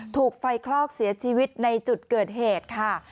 ถูกไฟคลอกเสียชีวิตในจุดเกิดเหตุค่ะ